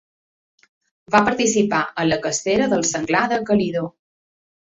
Va participar en la cacera del senglar de Calidó.